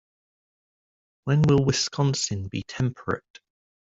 When will Wisconsin be temperate?